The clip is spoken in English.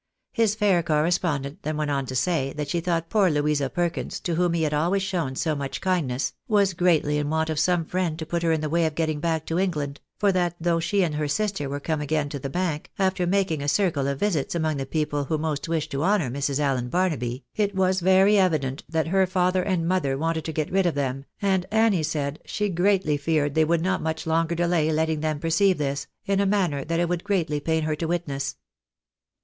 His fair correspondent then went on to say, that she thought poor Louisa Perkins, to whom he had always shown so much kindness, was greatly in want of some friend to put her in the way of getting back to England, for that though she and her sister were come again to the Bank, after making a circle of visits among the people who most wished to honour Mrs. Allen Barnaby, it was very evident that her father and mother wanted to get rid of them, and Annie said, she greatly feared they would not much longer delay letting them perceive this, in a manner that it would greatly pain her to witness.